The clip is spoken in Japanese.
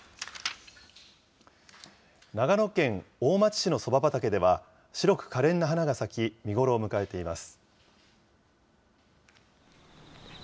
長野県大町市のそば畑では、白くかれんな花が咲き、見頃を迎えています。